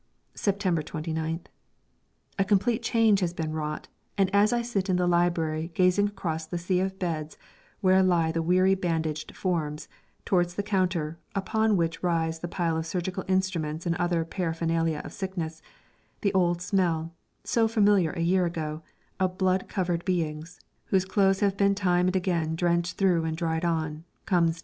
September 29th. A complete change has been wrought, and as I sit in the library gazing across the sea of beds where lie the weary bandaged forms, towards the counter, upon which rise the pile of surgical instruments and other paraphernalia of sickness, the old smell, so familiar a year ago, of blood covered beings, whose clothes have been time and again drenched through and dried on them, comes to me.